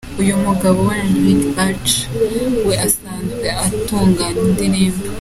Uyu mugabo we Erwin Bach, we asanzwe atunganya indirimbo.